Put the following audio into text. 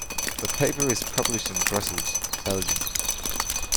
The paper is published in Brussels, Belgium.